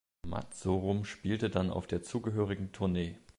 Matt Sorum spielte dann auf der zugehörigen Tournee.